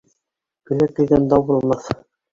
Көлә килгән дау булмаҫ